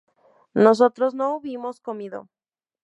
nosotros no hubimos comido